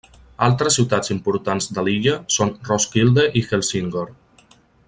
Altres ciutats importants de l'illa són Roskilde i Helsingør.